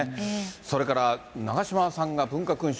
それから、長嶋さんが文化勲章。